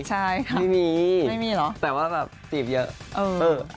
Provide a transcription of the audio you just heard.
ใช่ค่ะไม่มีเหรอแต่ว่าแบบจีบเยอะเผลอ